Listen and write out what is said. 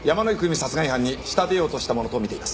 殺害犯に仕立てようとしたものとみています。